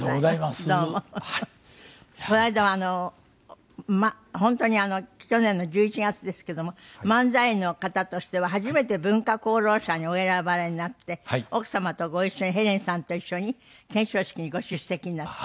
この間はあの本当に去年の１１月ですけども漫才の方としては初めて文化功労者にお選ばれになって奥様とご一緒にヘレンさんと一緒に顕彰式にご出席になって。